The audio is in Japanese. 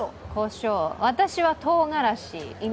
私は唐辛子。